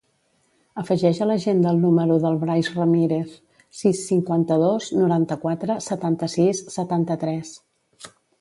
Afegeix a l'agenda el número del Brais Ramirez: sis, cinquanta-dos, noranta-quatre, setanta-sis, setanta-tres.